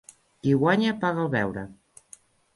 Qui guanya paga el beure.